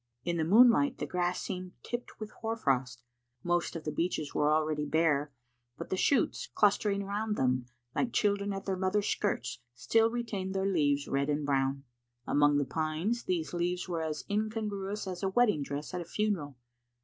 In the moonlight the grass seemed tipped with hoar frost. Most of the beeches were already bare, but the shoots, clustering round them, like children at their mother's skirts, still retained their leaves red and brown. Among the pines these leaves were as incongruous as a wedding dress at a funeral.